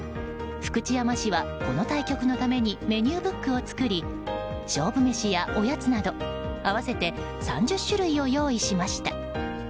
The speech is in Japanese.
福知山市はこの対局のためにメニューブックを作り勝負メシやおやつなど合わせて３０種類を用意しました。